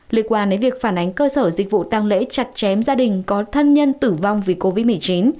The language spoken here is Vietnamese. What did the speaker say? liên quan đến việc phản ánh cơ sở dịch vụ tăng lễ chặt chém gia đình có thân nhân tử vong vì covid một mươi chín